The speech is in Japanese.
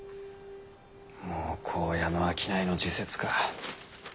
もう紺屋の商いの時節か。